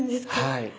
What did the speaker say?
はい。